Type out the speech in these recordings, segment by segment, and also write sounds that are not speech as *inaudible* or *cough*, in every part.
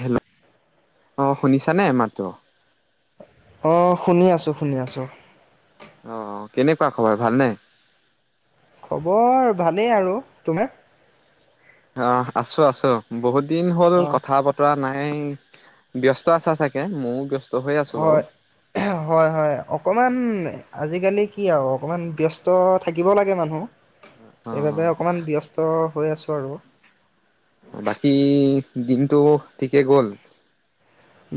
Hello অ শুনিছা নে মাতটো। অ শুনি আছোঁ শুনি আছোঁ। অ কেনেকুৱা খবৰ ভালনে। খবৰ ভালেই আৰু তোমাৰ। অহ' আছো আছো বহুত। দিন হ'ল অ কথা বতৰা নাই। এ ব্যস্ত আছা চাগে মোৰো ব্যস্ত। হৈ আছো বাৰু হয় হয় হয় অকমান। আজিকালি কি আৰু অকমান ব্যস্ত থাকিব লাগে মানুহ। অ সেইবাবে অকমান ব্যস্ত হৈ আছোঁ কৰু অ বাকী দিনটো ঠিকেই গ'ল।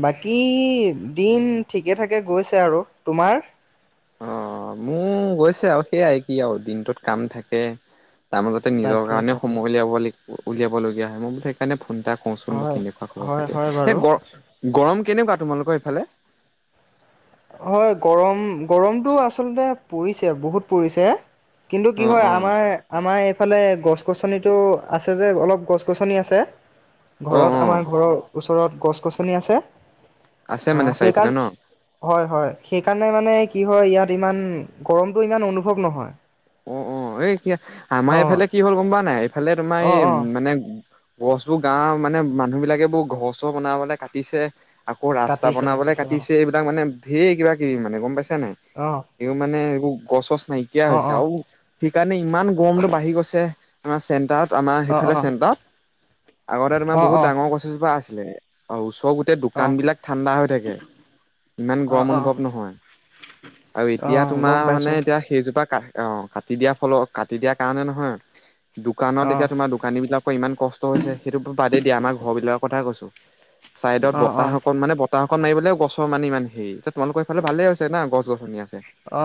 বাকী দিন ঠিকে থাঠাকে গৈছে আৰু তোমাৰ। অ মোৰ গৈছে আৰু সেইয়াই কি আৰু দিনটোত কাম থাকে। তাৰ মাজতে নিজৰ তাকে কাৰণেও তাকে সময় উলিয়াব লাগিব। উলিয়াবলগীয়া হয় মোৰ মতে সেইকাৰণে। ফোন এটা কওঁচোন বা হয় কেনেকুৱা খবৰ হয় খাতি হয় বাৰু সেই গৰ। গৰম কেনেকুৱা তোমালোকৰ এইফালে হয় গৰম গৰমতটো আচলতে পৰিছে বহুত পৰিছে। কিন্তু অ কি হয় অ আমাৰ আমাৰ‌। এইফালে গছ গছনিটো আছে যে অলপ গছ গছনি আছে। অ অ ঘৰত আমাৰ ঘৰৰ ওচৰত ওচৰত গছ গছনি আছে আছে আহ মানে সেইকাৰণ চাৰিফালে ন হয় হয় সেইকাৰণে মানে কি হয় ইয়াত ইমান গৰমতটো ইমান অনুভৱ নহয় অ অ এ আমাৰ অ এইফালে কি হ'ল গম পোৱা নাই এইফালে তোমাৰ অ এই অ মানে গছ বোৰ গাঁওৰ মানে মানুহ বিলাকে বোৰ ঘৰ চৰ বনাবলৈ কাটিছে আকৌ ৰাস্তা কাটিছে বনাবলৈ অ কাটিছে এইবিলাক মানে ধঢেৰ কিবা কিবি মানে গম পাইছো নাই অ এইবোৰ মানে এইবোৰ গছ চজ নাইকিয়া অ হৈছে অ সেইকাৰণে ইমান গৰমটো বাঢ়ি গৈছে আমাৰ চেণ্টাৰত আমাৰ অ সেইফালে অ অ চেণ্টাৰত আগতে তোমাৰ অ বহুত ডাঙৰ গছ এজেপা আছিলে অওচ চব গোটেই অ দোকানবিলাক ঠাণ্ডা হৈ থাকে ইমান অ গৰম অ অনুভৱ নহয় আৰু অ এতিয়া তোমাৰ গম মানে পাইছো এতিয়া সেইজোপা কা অ কাটি দিয়াৰ ফলত কাটি দিয়াৰ কাৰণে নহয় দোকানত অ এতিয়া তোমাৰ দোকানী বিলাকৰ ইমান কষ্ট তো হৈছে সেইটো বাদেই দিয়া আমাৰ ঘৰবিলাক কৈছোঁ হয় *unintelligible* চাইদত অ অ বতাহ অকণ মানে বতাহ একন মাৰিবলৈও গছৰ মান ইমান হেৰিতি তোমালোকৰ ফালে ভালে হৈছে ন গছ গছনি অ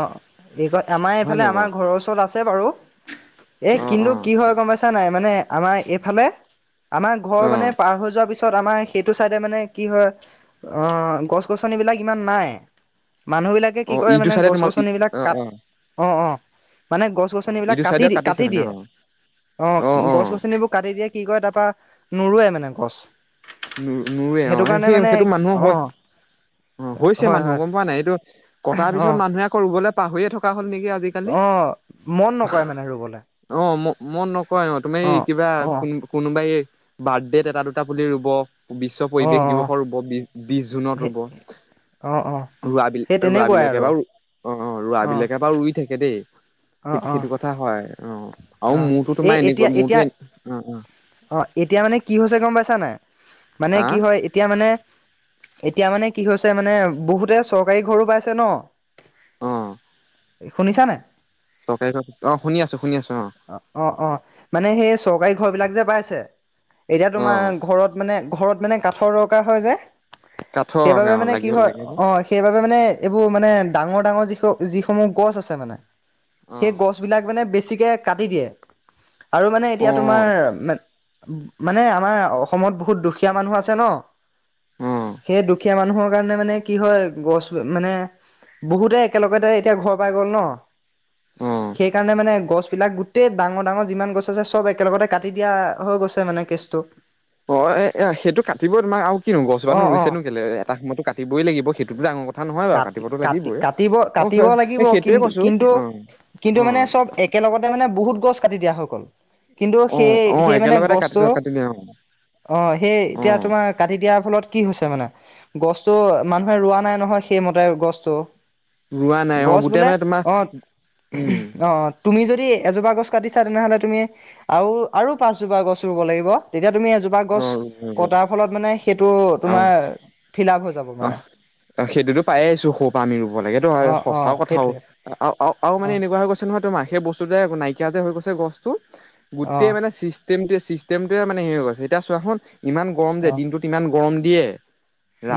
এই ক আমাৰ হয় এইফালে নাই আমাৰ বাৰু ঘৰৰ ওচৰত আছে বাৰু এ অ অ কিন্তু কি হয় গম পাইছা নাই মানে আমাৰ এইফালে আমাৰ ঘৰ অ মানে পাৰ হৈ যোৱাৰ পিছত তাৰ পিছত আমাৰ সেইটো চাইডে মানে কি হয় গছ গছনিবিলাক ইমান নাই মানুহ বিলাকে অ কি কৰে ইটো মানে চাইডে গছ তোমাৰ গছনিবিলাক অ কাট অ অ অ মানে গছ অ গছনিবিলাক ইটো কাটি চাইডে কাটিছে কাটি মানে দিয়ে অ অ গছ গছনিবোৰ কাটি দিয়ে কি কৰে তাৰ পৰা নোৰুৱে মানে গছ নোৰুৱে অ সেইটো কাৰণে সেই মানে সেইটো মানুহৰ অ', অ হৈছে হয়, মানুহৰ হয়, গম পোৱা নাই এইটো কটাৰ পিছত অ', মানুহে কৰিবলৈ পাহৰিয়েই থকা হ'ল নেকি কি আজিকালি অ'। মন নকৰে মানে ৰুবলৈ অ ম মন নকৰে ন তুমি অ', কিবা অ', কোনোবাই বাৰ্থে ত এটা দুটা পুলি ৰুব বিশ্ব অ', পৰিৱেশ অ', দিৱসৰ উদ্ভৱ বিশ- বিশ জুনত সেই ৰুব। অ', অ'। সেই ৰোৱাবিলা- তেনেকুৱাই ৰোৱাবিলাকে আৰু বাৰু, অ' অ', ৰোৱাবিলাকে বাৰু ৰুই থাকে দেই। অ', সেইটো- অ', সেইটো কথা হয়। অ'। আৰু অ'। মোৰতো এ তোমাৰ এনেকুৱা এতিয়া- মোৰতো এতিয়া, এ অ অ অ' এতিয়া মানে কি হৈছে গম পাইছা হৈনে? মানে হা কি হয় এতিয়া মানে এতিয়া মানে কি হৈছে মানে, বহুতে চৰকাৰী ঘৰো পাইছে ন'? অ'। এ শুনিছা নে? চৰকাৰী ঘৰ *inaudible* অ'। শুনি আছো শুনি আছো অ' - অ'- অ'। মানে সেই চৰকাৰী ঘৰবিলাক যে পাইছে। এতিয়া অ তোমাৰ ঘৰত মানে ঘৰত মানে কাঠৰ দৰকাৰ হয় যে কাঠৰ সেইবাবে অ মানে লাগিব কি হয়, লাগে যে অ' সেইবাবে মানে- এইবোৰ মানে ডাঙৰ-ডাঙৰ যিস- যিসমূহ গছ আছে মানে অ সেই গছবিলাক মানে বে বেছিকে কাটি দিয়ে। আৰু মানে, অ এতিয়া তোমাৰ মানে আমাৰ অসমত বহুত দুখীয়া মানুহ আছে ন'। অ সেই দুখীয়া মানুহৰ কাৰণে মানে কি হয়, গছ মানে, বহুতে একেলগতে এতিয়া ঘৰ পাই গ'ল ন' অ সেইকাৰণে মানে গছবিলাক গোটেই ডাঙৰ-ডাঙৰ যিমান গছ আছে, সব একেলগতে কাটি দিয়া হৈ গৈছে মানে কেচটো। অ' এ- এয়া সেইটো কাটিবই তোমাৰ আৰু কিনো, অ গছজোপানো অ ৰুইছেনো কেলে? এটা সময়তো কাটিবই লাগিব। সেইটোতো ডাঙৰ ক কাট- কাটি- কাটিব- কাটিব লাগিব, সেইটোৱে কৈছো কিন্তু-কিন্তু-কিন্তু অ মানে চব‌ একেলগতে মানে বহুত গছ কাটি দিয়া হৈ গ'ল। কিন্তু অ অ অ সেই-সেই মানে একেলগতে কাটি গছটো, কাটি দিয়ে অ অ' সেই অ এতিয়া তোমাৰ কাটি দিয়াৰ ফলত কি হৈছে মানে, গছটো মানুহে ৰোৱা নাই নহয় সেইমতে গছটো। ৰোৱা নাই অ গছ গোটেই বোলে, মানে তোমাৰ অ'- উম অ' তুমি যদি এজোপা গছ কাটিছা তেনেহলে তুমি, আৰু - আৰু পাঁচজোপা গছ ৰুব লাগিব। এতিয়া তুমি এজোপা অ গছ কটাৰ ফলত মানে, সেইটো অ তোমাৰ ফিলাপ হৈ যাব মানে। অ সেইটোতো পায়ে আছোঁ স'ৰুৰ পৰা আমি ৰুব লাগে। সেইটো অ', অ', সঁচাও কথাও। সেইটোৱে আৰু-আৰু-আৰু মানে অ', এনেকুৱা হৈ গৈছে নহয়, তোৰ মাসে বস্তু নাইকিয়া যে হৈ গৈছে গছতটো? গোটেই অ', মানে, চিষ্টেমটো? চিষ্টেমটোৱে মানে হেৰি গৈছে, এতিয়া চোৱা চোন? ইমান গৰম যে, অ', দিনটোত ইমান? গৰম দিয়ে?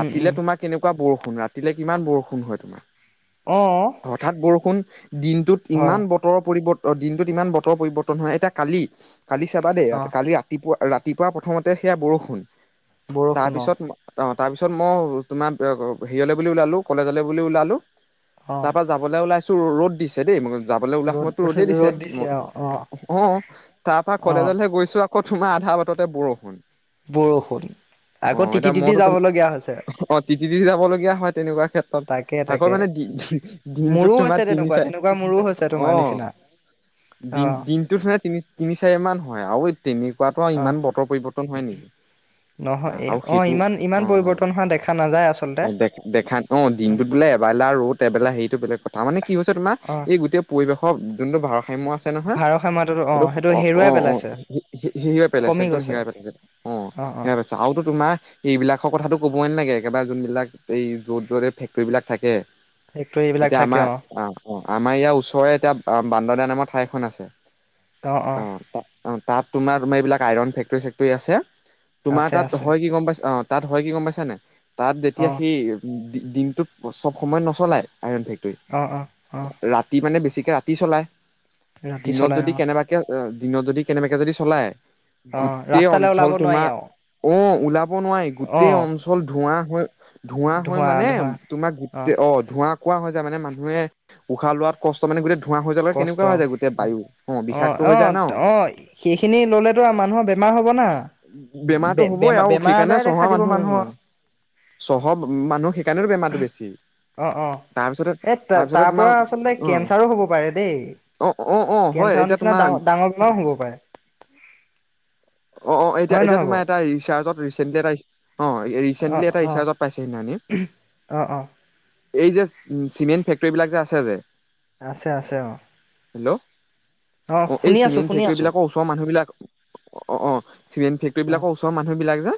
উম, উম, তোমাৰ কেনেকুৱা বৰষুণ। বৰষুণ ৰাতিলে কিমান বৰষুণ হয় তোমাৰ? অ', হঠাৎ বৰষুণ। দিনটোত, হয় ইমান বতৰৰ পৰিৱৰ্তন? অ' দিনটোত ইমান বতৰ পৰিৱৰ্তন হয়, এতিয়া কালি? কালি চাবা দেই, অ', কালি ৰাতিপুৱা? ৰাতিপুৱা প্ৰথমতে সেয়া বৰষুণ? তাৰ বৰষুণ অ', পিছত, অ', তাৰপিছত মই তোমাৰ হেৰিয়লৈ বুলি ওলালোঁ কলেজলৈ বুলি, ওলালোঁ? অ', তাৰ পৰা যাবলৈ ওলাইছে? ৰ'দ দিছে দেই। যাবলৈ ওলা ৰ'দ সময়তো ৰ'দেই দিছে ৰ'দ ম অ', অ', অঁ তাৰপৰা অ', কলেজলৈহে গৈছোঁ আকৌ তোমাৰ আধা বাটতে বৰষুণ? হ বৰষুণ। অ আকৌ তিতি এতিয়া তিতি মইতোম যাবলগীয়া হৈছে অ তিতি তিতি যাব লগগীয়া হয় তেনেকুৱা ক্ষেত্ৰত তাকে আকৌ তাকে মানে দিনটোত মোৰো তোমাৰ হৈছে তিনি তেনেকুৱা চাৰি তেনেকুৱা মোৰো হৈছে অ তোমাৰ নিচিনা অ', দিনটোতে তিনি তিনি চাৰি মান। হয় আৰু। তেনেকুৱাতো অ', ইমান বতৰ পৰিৱৰ্তন হয় নেকি? নহয় আৰু অ সেইটো ইমান অ ইমান অ পৰিৱৰ্তন হোৱা দেখা নাযায় আচলতে অ দে দেখা অ দিনটোত বোলে এবাৰেলা ৰ'ত এবেলা সেইটো বেলেগ কথা মানে কি হৈছে তোমাৰ অ এই গোটেই পৰিৱেশ? যোনটো ভাৰষ। হিমু আছে নহয় ভাৰসাম্যতাটো এইটো সেইটো অ অ হেৰুৱাই অ পেলাইছে হিৱীই পেলাইছে কমি একদম গৈছে হিৰাই পেলাইছে অ হিৰাই পেলাই? চাওতো তোমাৰ এইবিলাকৰ কথাটো ক'বই নালাগে একেবাৰে যোনবিলাক এই য'ত য'ত এই ফেক্টৰীবিলাক থাকে। ফেক্টৰী এইবিলাক এতিয়া থাকে আমাৰ অ অ আমাৰ ইয়াৰ ওচৰৰে এতিয়া? বান্দদা নামৰ ঠাইখন আছে? অ ত অ তাত। তোমাৰ তোমি এইবিলাক আইৰন ফেক্টৰী চেকটৰী আছে? তোমাৰ আছে তাত আছে হয় কি গম পাইছা অ তাত হয় কি গম পাইছানে তাত অ যেতিয়া সি দিনটোত? চব সময়ত নচলায়। আইৰন ফেক্টৰী অ অ অ ৰাতি মানে বেছি? এ ৰাতি চলায় ৰাতি দিনত চলাই যদি অ কেনেবাকে দিনত যদি কেনেবাকে যদি চলাই অ গোটেই ৰাস্তালৈ অঞ্চল ওলাব নোৱাৰি তোমাৰ আৰু অ ওলাব নোৱাৰি অ গোটেই অঞ্চল ধোৱা হৈ ধোঁৱা হৈ মানে তোমাক গোটেই অ ধোঁৱা কোৱা হৈ যে মানে মানুহে উশাহ লোৱাত কষ্ট মানে গোটেই ধোঁৱা হৈ যোৱাৰ কষ্ট কেনেকুৱা হৈ যায় গোটেই বায়ু অ অ বিষাক্ত অ হৈ যায় ন অ সেইখিনি ললেতো মানুহৰ বেমাৰ হব না। বেমাৰতটো বে হ'বই বেমাৰ আৰু বেমাৰ সেইকাৰণে আজাৰে চহৰ দেখা দিব মানুহে অ মানুহৰ চহৰ মানুহ সেইকাৰণে বেমাৰটো বেছি অ অ তাৰপিছতে এই তাৰপিছতে তাৰ পৰা তোমাৰ আচলতে অ। কেঞ্চাৰো হ'ব পাৰে দেই অ অ অ হয় কেঞ্চাৰৰ এতিয়া নিচিনা তোমাৰ ডাঙ ডাঙৰ বেমাৰো হ'ব পাৰে। অ অ এতিয়া হয় এতিয়া নহয় তোমাৰ বাৰু এটা ৰিচাৰ্জ। ৰিচণ্টলি এটা আহিছে। অ ৰিচণ্টলি এটা ৰিছাৰ্জত পাইছে সি হেদিনা উম অঁ অঁ এই যে চিমেণ্ট ফেক্টৰী বিলাক যে আছে যে আছে আছে অ। হেল্ল'। অ এই চিমেণ্ট শুনি ফেক্টৰী আছোঁ বিলাকৰ ওচৰৰ মানুহবিলাক অ অ চিমেণ্ট ফেক্টৰী অঁ বিলাকৰ ওচৰৰ মানুহ বিলাক যে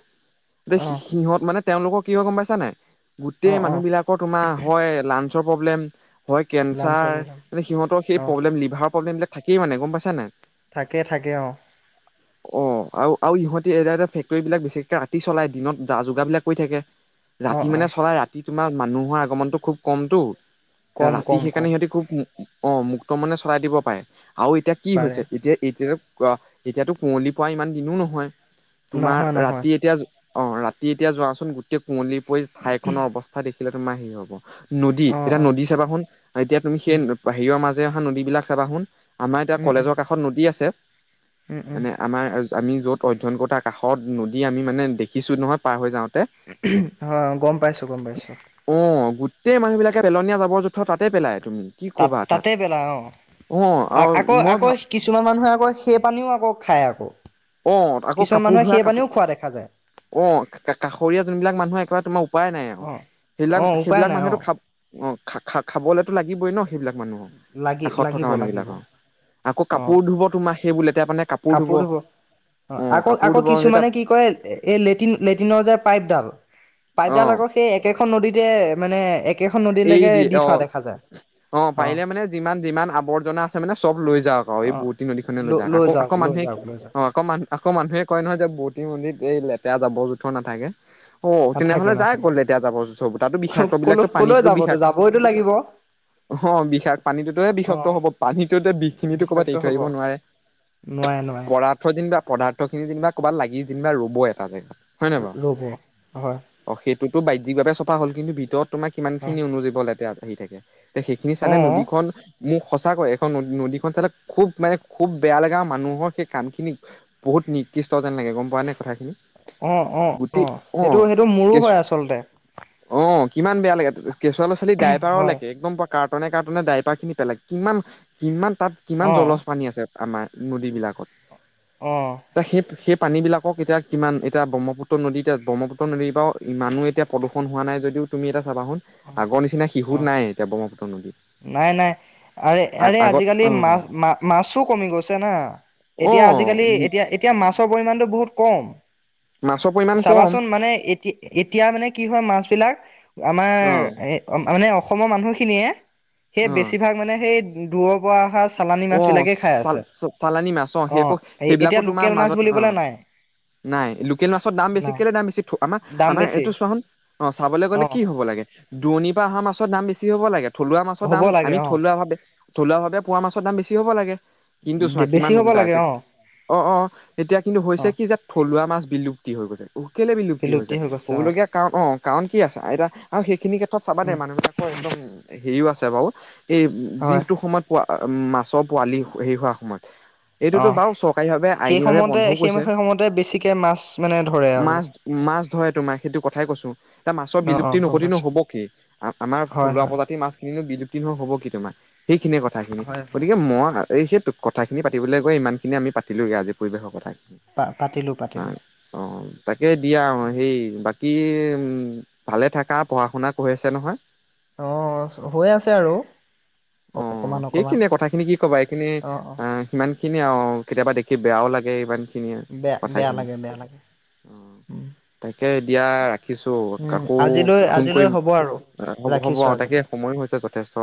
এ সি অঁ সিহঁত মানে তেওঁলোকৰ কি হয় গম পাইছা নাই গোটেই অঁ মানুহ অঁ বিলাকৰ তোমাৰ হয় লা চ প্ৰব্লেম হয় লাঞ্চৰ কেঞ্চাৰ প্ৰগ্ৰেম মানে সিহঁতৰ সেই অঁ প্ৰব্লেম লিভাৰৰ প্ৰব্লেমবিলাক থাকেই মানে গম পাইছানে থাকে থাকে অ অ আৰু আৰু ইিহঁতে এ এ ফেক্টৰী বিলাক বিশেষকে ৰাতি চলাই দিনত যা যোগাৰ বিলাক কৰি থাকে অঁ ৰাতি মানে অঁ চলাই ৰাতি তোমাৰ মানুহৰ আগমনতটো খুব কমতটো কম ৰাতি কম সেইকাৰণে কম সিহঁতি খুব অ মুক্ত মানে চলাই দিব পাৰে আৰু এতিয়া কি পাৰে হৈছে এতিয়া এতিয়া কোৱা এতিয়াতো কুঁৱলি পৰা ইমান দিনো নহয় তোমাৰ নহয় নহয় ৰাতি এতিয়া অ ৰাতি এতিয়া যোৱাচোন গোটেই কুঁৱলী অই ঠাইখনৰ অৱস্থা দিখ খে তোমাৰ হ ক। নদী অঁ এটা অঁ হয় নদী চাবা চোন, এতিয়া তুমি সেই বাহিৰ মাছবোৰ যে অহা নদীবিলাক চাবা সোন আমাৰ এতিয়া কলেজৰ কাষত নদী আছে। মানে আমাৰ আমি য'ত অধ্যয়ন কৰোতে কাষত নদী আমি মানে দেখিছো নহয় পাৰ হৈ যাওঁতে অ গম পাইছো গম পাইছো। গোতেই মানুহবিলাকে পেলনীয়া যাবৰ জোখৰ ৰ তাতে পেলায় তাত তাতে পেলা অ', অৱ আৰু আকৌ মই আকৌ ভাব কিছুমান মানুহে আকৌ সেই পানীও আকৌ খাই আকৌ অ আকৌ কিছুমান কাপোৰ মানুহে ধোৱা সেই কাপোৰ, পানীও খোৱা দেখা যায় অৱ কাষৰীয়া যোনবিলাক মানুহৰ একেবাৰে তোমাৰ উপায় নাই আও, অঁ সেইবিলাক অঁ উপায় সেইবিলাক নাই মানুহেতো অঁ খাব অৱ খা খা খাবলৈতো লাগিবই ন সেইবিলাক মানুহৰ লাগি কাষত থকা লাগিব মানুহ লাগিব বিলাকৰ আকৌ অ কাপোৰ ধুব তোমাৰ সেইবোৰ এতিয়া মানে কাপোৰ কাপোৰ ধুব অ অ', আকৌ কাপোৰ আকৌ ধুব সেই তাত কিছুমানে কি কৰে এই লেটিন লেটিনৰ যে পাইপডাল পাইডাল অ', আকৌ সেই একেখন নদীতে মানে একেখন এই নদীলৈকে দিয়ে দি থোৱা অৱ দেখা যায় অৱ অ পাৰিলে মানে যিমান যিমান আৱৰ্জনা আছে মানে চব লৈ যাওক আৰু এই অ বুৱতি নদীখনে লৈ ল যাওক আকৌ আকৌ আকৌ লৈ মানুহে যাওক লৈ যাওক অ আকৌহ আকৌ মানুহে কয় নহয় যে বুলটি নদীত এই লে এয়া জাবৰ জোথৰ নাথাকে। অ নাথাকে তেনেহ'লে যাই নাথাকে গ'লে এতিয়া যাব চব তাতো বিষাক্ত বিলাক কলৈ কলৈ পানীটো যাবতো বিষাক, যাবইতো লাগিব অ পানীটোতোহে বিষাক্ত হ'ব পানীটো বিষখিনিতো ক'বাত বিষাক্ত এৰি থৈ হ'ব আহিব নোৱাৰে। নোৱাৰে *unintelligible* নোৱাৰে পদাৰ্থখিনি যেনিবা ক'বাত লাগি যেনিবা ৰ'বই তাতে ৰ'ব হয় সেইটোতো বাহ্যিকভাৱে চাফা হল কিন্তু ভিতৰত তোমাক কিমান হয় খিনি অনুজীৱ লেতেৰা আহি থাকে তে সেইখিনি অ চালে নদীখন মোক সঁচাকৈ এখন নদী নদীখন চালে খুব মানে খুব বেয়া লগে মানুহৰ সেই কামখিনি বহুত নিকৃষ্ট যেন লাগে গম পোৱা নে কথাখিনি অৱ অৱ গোটেই অৱ অ সেইটো সেইটো মোৰো কেঁচু হয় আচলতে কিমান বেয়া লাগে কেচুৱা ল'ৰা ছোৱালী ভাইপাৰ হয় লেকে একদম কাৰ্টুনে কাৰ্টুনে দাইপা খিনি পেলাই কিমান কিমান। তাত কিমান অ জলজ পানী আছে? আমাৰ নদীবিলাকত। অ এতিয়া সেই সেই পানী বিলাকক এতিয়া। কিমান এতিয়া ব্ৰহ্মপুত্ৰ নদী এয়া ব্ৰহ্মপুত্ৰ নদীৰ পৰাও ইমান এতিয়া প্ৰদূষণ হোৱা নাই যদিও তুমি এটা চাবা ছোন। আগৰ নিচিনা অ শিশুত নাই এতিয়া ব্ৰহ্মপুত্ৰ নদী। নাই নাই আৰে আৰে আজিকালি অ মা মাছো কমি গৈছে না অ এতিয়া আজিকালি এতিয়া এতিয়া মাছৰ পৰিমাণটো বহুত। খুব কম। মাছৰ পৰিমাণ কম চাবাচোন মানে এতি এতিয়া মানে কি হয় মাছ বিলাক আমাৰ অ এ মানে। অসমৰ মানুহখিনিয়ে সেই অ বেছিভাগ মানে সেই। দূৰ পৰা অসাঁজ। অ চাল চালানি মাছ অ সেই অঁ একো সেইবিলাকো এতিয়া তোমাৰ লোকেল মাছ মাজত অ বুলিবলে নাই নাই লোকেল মাছৰ দাম বেছি নাই কেলে দাম বেছি থ আমাৰ দাম আমাৰ বেছি এইটো চোৱা হুন অ চাবলৈ গ'লে অঁ কি হ'ব লাগে দুৰণিৰ পৰা অহা মাছ। দাম বেছি হ'ব লাগে। থলুৱা মাছৰ হ'ব দাম লাগে আমি অঁ থলুৱাভাৱে। থলোৱা ভাৱে পোৱা মাছ। ছ দাম বেছি হ'ব লাগে। কিন্তু চোৱা বেছি কিমান হ'ব উল্টা লাগে হৈছে অঁ অ অ এতিয়া কিন্তু হৈছে অঁ কি যে থলুৱা মাছ। বিলুপ্তি হৈ গৈছে। কেলে বিলুপ্তি হৈছে হৈ গৈছে অঁ হ'বলগীয়া কাৰণ অ কাৰণ কি আছে আইতা আৰু সেইখিনি ক্ষেত্ৰত চাবা দে মানুহবিলাকৰ একদম। হেৰিও আছে বাৰু। এই হয় যিটো সময়ত পোৱা। উ মাছৰ পোৱালি হেৰি হোৱা সময়ত। এইটোতো অঁ বাৰু চৰকাৰী ভাৱে সেই আইনী ভাৱে সময়তে বন্ধও সেই কৰিছে সেই সময়তে বেছিকে মাছ মানে ধৰে আৰু মাছ মাছ ধৰে তোমাৰ সেইটো কথাই কৈছো এয়া মাছৰ অ অ বিলুপ্তি গম নঘটি নো পাইছো হব কি আমাৰ হয় থলুৱা হয় প্ৰজাতিৰ মাছ কিনো বিলু্প্তি। হ'ব কি তোমাৰ। সেইখিনিয়ে কথাখিনি। হয় হয় গতিকে মই। এই সেই কথাখিনি পাতিলৈ গৈ ইমানখিনি আমি পাতিলোঁগৈ আজি পৰিৱেশৰ পা পাতিলো পাতিলো কথাই। অ তাকে দিয়া অ সেই বাকী? উম ভালে থাকা পঢ়া শুনা কৰি আছে নহয় অ হৈ আছে আৰু অ অকমান। অকমান সেইখিনিয়ে কথাখিনি কি ক'বা এইখিনি অ সিমান। সেইখিনিয়ে আৰু কেতিয়াবা দেখি বেয়াও লাগে ইমান। খিনি বেয়া বেয়া কথাখিনি লাগে বেয়া লাগে উম তাকে দিয়া ৰাখিছো উম আকৌ আজিলৈ ফোন আজিলৈ কৰিম হ'ব আৰু হ'ব হ'ব অ ৰাখিছো তাকে আজিলৈ সময়ো হৈছে যথেষ্ট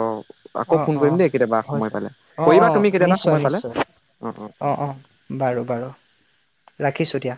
আকৌ অ ফোন অ কৰিম দেই। কেতিয়াবা সময় হৈছে পালে অ কৰিবা অ তুমি কেতিয়াবা নিশ্চয় সময় পালে নিশ্চয় অ অ বাৰু বাৰু ৰাখিছোঁ দিয়া।